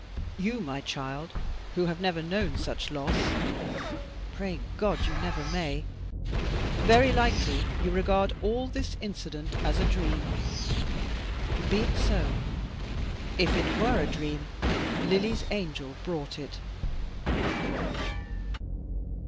You, my child, who have never known such loss pray God you never may very likely you regard all this incident as a dream. Be it so: if it were a dream, Lily's angel brought it.